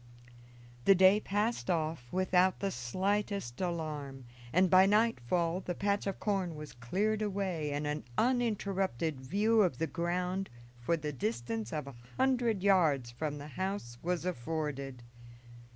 The day passed off without the slightest alarm, and by nightfall the patch of corn was cleared away and an uninterrupted view of the ground for the distance of a hundred yards from the house was afforded.